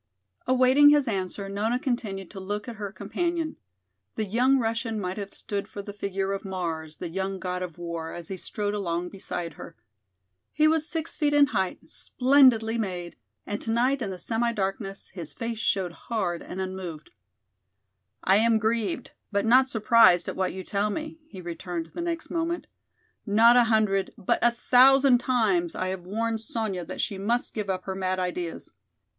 Awaiting his answer, Nona continued to look at her companion. The young Russian might have stood for the figure of "Mars," the young god of war, as he strode along beside her. He was six feet in height, splendidly made, and tonight in the semi darkness his face showed hard and unmoved. "I am grieved but not surprised at what you tell me," he returned the next moment. "Not a hundred, but a thousand times I have warned Sonya that she must give up her mad ideas.